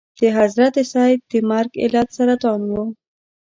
د حضرت سید د مرګ علت سرطان و.